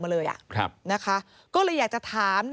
ที่มันก็มีเรื่องที่ดิน